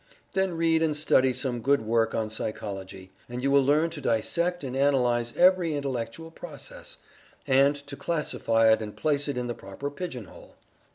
Then read and study some good work on Psychology, and you will learn to dissect and analyze every intellectual process and to classify it and place it in the proper pigeon hole.